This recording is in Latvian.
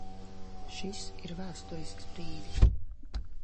Šis ir vēsturisks brīdis!